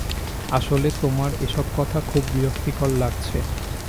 আসলে, তোমার এসব কথা খুব বিরক্তিকর লাগছে।